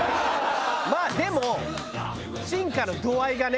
まあでも進化の度合いがね。